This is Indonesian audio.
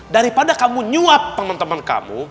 daripada kamu nyuap temen temen kamu